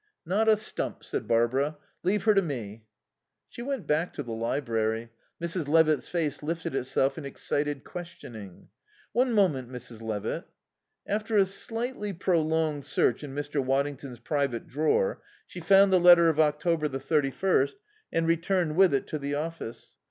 "Not a stump," said Barbara. "Leave her to me." She went back to the library. Mrs. Levitt's face lifted itself in excited questioning. "One moment, Mrs. Levitt." After a slightly prolonged search in Mr. Waddington's private drawer she found the letter of October tie thirty first, and returned with it to the office.